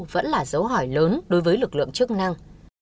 vẫn là dấu hỏi lớn đối với lực lượng chức năng